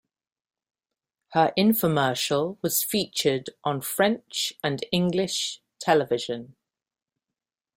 Her infomercial was featured on French and English television.